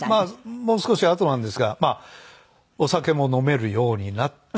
もう少しあとなんですがお酒も飲めるようになって。